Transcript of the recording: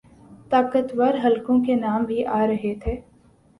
طاقتور حلقوں کے کام بھی آرہے تھے۔